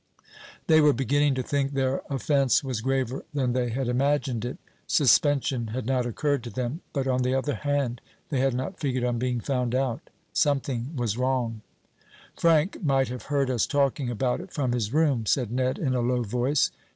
They were beginning to think their offence was graver than they had imagined it. Suspension had not occurred to them. But, on the other hand, they had not figured on being found out. Something was wrong. "Frank might have heard us talking about it from his room," said Ned in a low voice.